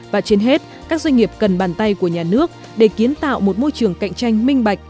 và trên hết các doanh nghiệp cần bàn tay của nhà nước để kiến tạo một môi trường cạnh tranh minh bạch